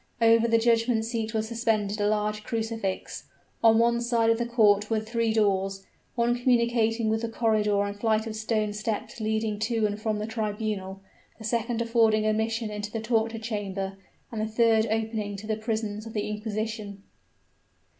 Over the judgment seat was suspended a large crucifix. On one side of the court were three doors, one communicating with the corridor and flight of stone steps leading to and from the tribunal; the second affording admission into the torture chamber and the third opening to the prisons of the inquisition.